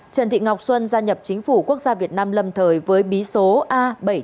trần thị ngọc xuân gia nhập chính phủ quốc gia việt nam lâm thời với bí số a bảy trăm bốn mươi